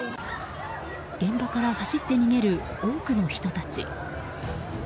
現場から走って逃げる多くの人たち。